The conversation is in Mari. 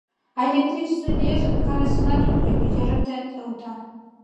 — А электричество лиеш гын, карасинат ок кӱл, йыретат ута.